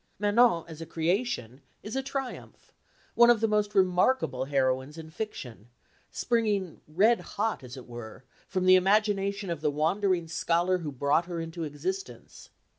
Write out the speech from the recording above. Manon, as a creation, is a triumph, one of the most remarkable heroines in fiction, springing red hot as it were from the imagination of the wandering scholar who brought her into existence.